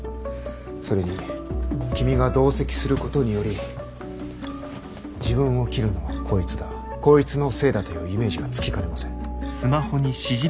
それに君が同席することにより自分を切るのはこいつだこいつのせいだというイメージがつきかねません。